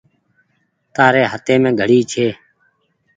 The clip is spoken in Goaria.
تآري هآتيم گھڙي ڇي۔